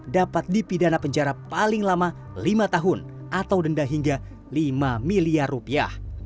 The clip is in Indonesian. dapat dipidana penjara paling lama lima tahun atau denda hingga lima miliar rupiah